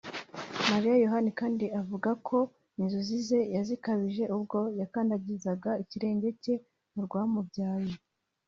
Maria Yohana kandi avuga ko inzozi ze yazikabije ubwo yakandagizaga ikirenge cye mu rwamubyaye